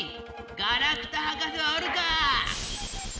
ガラクタ博士はおるかぁ！